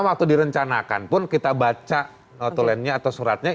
ada yang sudah direncanakan pun kita baca notulennya atau suratnya